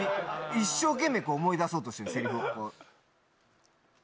一生懸命思い出そうとしてるセリフをこう。